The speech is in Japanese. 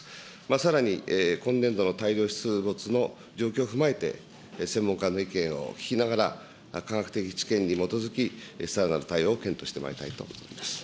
さらに今年度の大量出没の状況を踏まえて、専門家の意見を聞きながら、科学的知見に基づきさらなる対応を検討してまいりたいと思います。